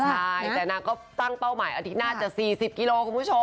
ใช่แต่นางก็ตั้งเป้าหมายอาทิตย์หน้าจะ๔๐กิโลคุณผู้ชม